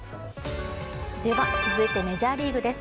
続いてメジャーリーグです。